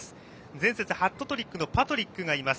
前節、ハットトリックのパトリックがいます。